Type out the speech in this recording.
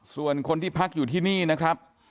ส่วนคนที่พักอยู่ที่นี่นะครับ